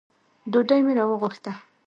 ډوډۍ مي راوغوښته .